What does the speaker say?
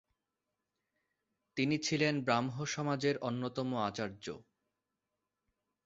তিনি ছিলেন ব্রাহ্মসমাজের অন্যতম আচার্য।